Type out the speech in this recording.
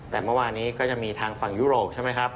แต่เมื่อวานี้ก็จะมีทางฝั่งยุโรปใช่ไหมครับ